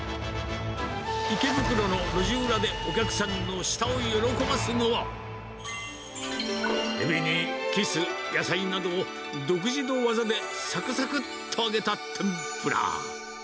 池袋の路地裏でお客さんの舌を喜ばすのは、エビにキス、野菜などを、独自の技で、さくさくっと揚げた天ぷら。